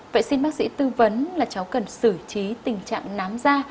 vậy xin bác sĩ tư vấn là cháu cần xử trí tình trạng nám da